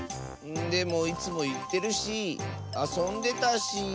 でもいつもいってるしあそんでたし。